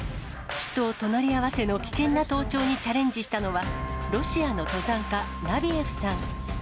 死と隣り合わせの危険な登頂にチャレンジしたのは、ロシアの登山家、ナビエフさん。